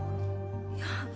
いや。